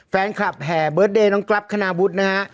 แฟนคลับแห่เบิร์สเดยน้องกลับขนาวบุธนะฮะ